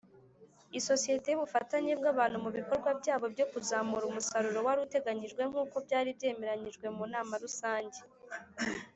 isosiyete y’ubufatanye bw abantu mu bikorwa byabo byo kuzamura umusaruro wari uteganyijwe nkuko byari byemeranyijwe mu nama rusange.